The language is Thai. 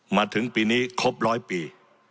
มาถึงปีนี้ครบร้อยปี